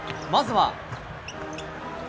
まずは。